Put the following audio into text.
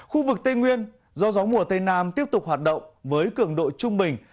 khu vực tây nguyên do gió mùa tây nam tiếp tục hoạt động với cường độ trung bình